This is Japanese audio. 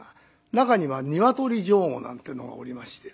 中には鶏上戸なんていうのがおりまして。